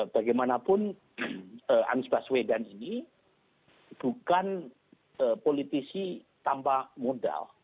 bagaimanapun anies baswedan ini bukan politisi tanpa modal